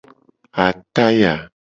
Ataya.